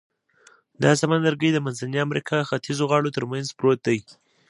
دا سمندرګي د منځنۍ امریکا ختیځو غاړو تر منځ پروت دی.